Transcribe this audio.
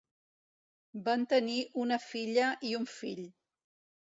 Van tenir una filla i un fill.